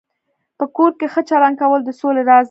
په کور کې ښه چلند کول د سولې راز دی.